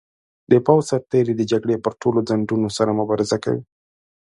د پوځ سرتیري د جګړې پر ټولو ځنډونو سره مبارزه کوي.